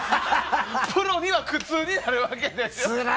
プロには苦痛になるわけですね。